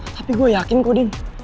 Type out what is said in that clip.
tapi gue yakin ko din